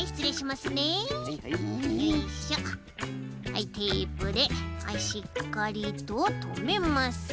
はいテープでしっかりととめます。